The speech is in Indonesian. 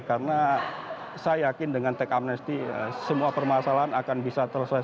karena saya yakin dengan tech amnesty semua permasalahan akan bisa terselesaikan